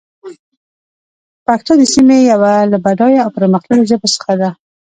پښتو د سيمې يوه له بډايه او پرمختللو ژبو څخه ده.